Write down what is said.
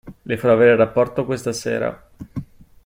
Le farò avere il rapporto questa sera.